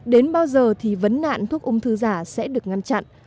đến bao giờ thì vấn nạn thuốc ung thư giả sẽ được ngăn chặn